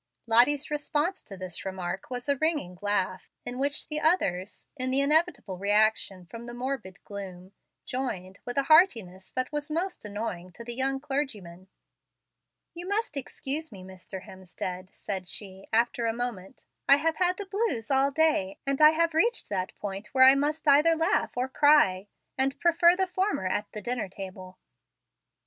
Lottie's response to this remark was a ringing laugh, in which the others, in the inevitable reaction from the morbid gloom, joined with a heartiness that was most annoying to the young clergyman. "You must excuse me, Mr. Hemstead," said she, after a moment, "I have had the blues all day, and have reached that point where I must either laugh or cry, and prefer the former at the dinner table."